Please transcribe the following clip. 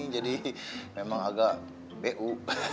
jadi memang agak be u